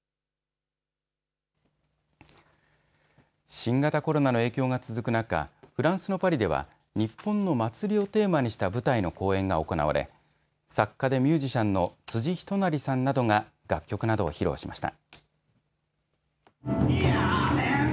新型コロナの影響が続く中、フランスのパリでは日本の祭りをテーマにした舞台の公演が行われ作家でミュージシャンの辻仁成さんなどが楽曲などを披露しました。